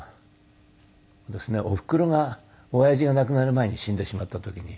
おふくろが親父が亡くなる前に死んでしまった時に。